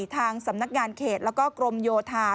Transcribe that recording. ทางสำนักงานเขตแล้วก็กรมโยธา